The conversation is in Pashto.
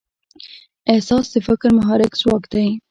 احساس د فکر محرک ځواک دی.